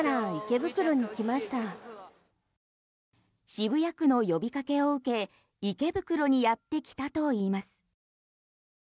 渋谷区の呼びかけを受け池袋にやってきたといいます。